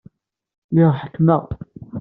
Lliɣ ḥekmeɣ.